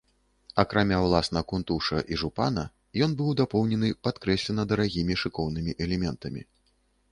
Акрамя ўласна кунтуша і жупана ён быў дапоўнены падкрэслена дарагімі, шыкоўнымі элементамі.